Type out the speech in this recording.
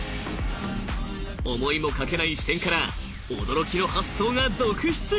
思いもかけない視点から驚きの発想が続出！